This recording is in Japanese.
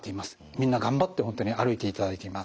みんな頑張って本当に歩いていただいています。